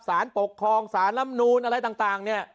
สารปกครองสารลำนูนอะไรต่างเนี่ย